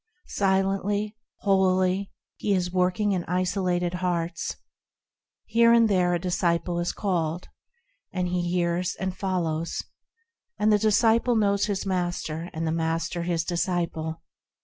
Silently, holily is He working in isolated hearts: Here and there a disciple is called, And he hears and follows; And the disciple knows his Master, and the Master His disciple.